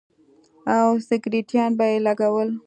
او سگرټيان به يې لگول.